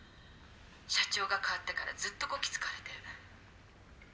「社長が代わってからずっとコキ使われてる」